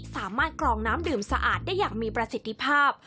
กรองน้ำดื่มสะอาดได้อย่างมีประสิทธิภาพ